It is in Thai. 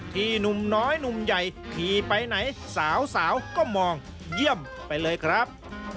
หนุ่มน้อยหนุ่มใหญ่ขี่ไปไหนสาวก็มองเยี่ยมไปเลยครับ